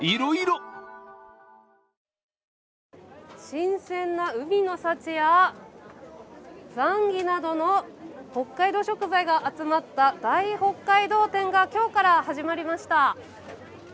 新鮮な海の幸やザンギなどの北海道食材が集まった大北海道展が今日から始まりました。